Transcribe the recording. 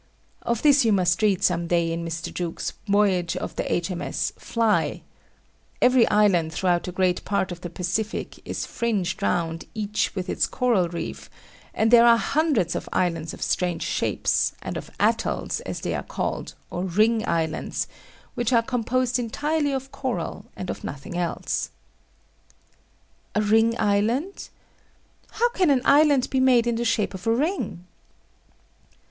Of this you must read some day in Mr. Jukes's Voyage of H.M.S. "Fly." Every island throughout a great part of the Pacific is fringed round each with its coral reef, and there are hundreds of islands of strange shapes, and of Atolls, as they are called, or ring islands, which are composed entirely of coral, and of nothing else. A ring island? How can an island be made in the shape of a ring?